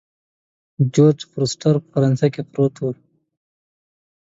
جورج فورسټر په فرانسه کې وفات شو.